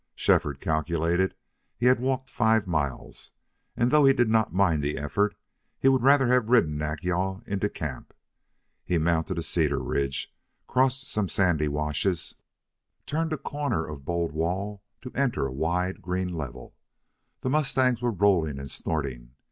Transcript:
Shefford calculated he had walked five miles, and though he did not mind the effort, he would rather have ridden Nack yal into camp. He mounted a cedar ridge, crossed some sandy washes, turned a corner of bold wall to enter a wide, green level. The mustangs were rolling and snorting.